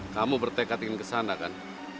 kamu bertekad ingin kesana kan